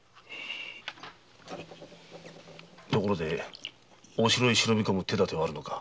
ところでお城へ忍び込む手だてはあるのか？